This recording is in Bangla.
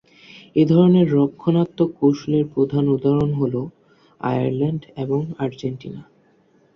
এধরনের রক্ষণাত্মক কৌশলের প্রধান উদাহরণ হল আয়ারল্যান্ড এবং আর্জেন্টিনা।